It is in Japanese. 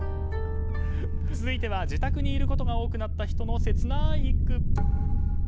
続いては、自宅にいることが多くなった人の切ない一句。